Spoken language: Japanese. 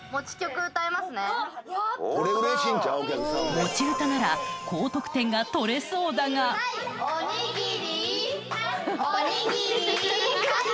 持ち歌なら高得点が取れそうだがおにぎりおにぎりはい